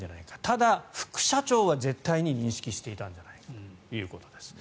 ただ、副社長は絶対に認識していたんじゃないかということです。